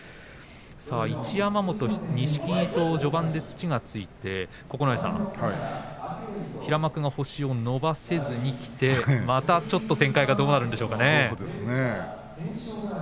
一山本、錦木と序盤で土がついて平幕が星を伸ばせずにきてまたちょっと展開がどうなるんでしょうかね。